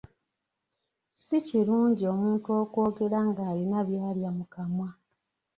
Si kirungi omuntu okwogera ng’alina byalya mu kamwa.